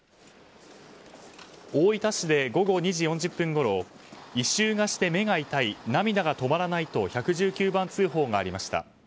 大分市で午後２時４０分ごろ異臭がして目が痛い涙が止まらないと１１９番通報がありました。